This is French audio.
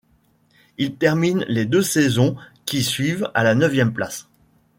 Il termine les deux saisons qui suivent à la neuvième place.